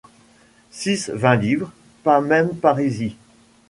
Six-vingt livres, pas même parisis.